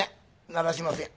やらしません。